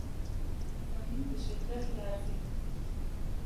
زمین به شدت لرزید.